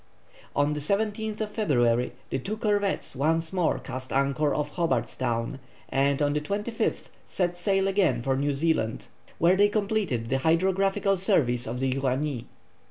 On the 17th February the two corvettes once more cast anchor off Hobart's Town, and on the 25th set sail again for New Zealand, where they completed the hydrographical surveys of the Uranie.